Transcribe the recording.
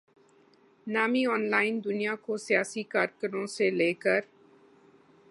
نامی online دنیا کو سیاسی کارکنوں سے لے کر